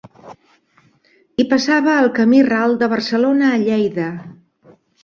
Hi passava el camí Ral de Barcelona a Lleida.